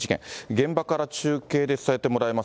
現場から中継で伝えてもらいます。